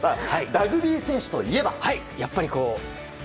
ラグビー選手といえば？